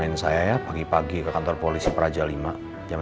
temenin saya ya pagi pagi ke kantor polisi praja lima jam sembilan